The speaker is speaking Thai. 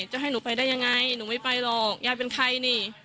จะให้หนูไปได้ยังไงหนูไม่ไปหรอกยายเป็นใครนี่